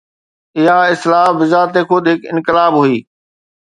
اها اصلاح بذات خود هڪ انقلاب هئي.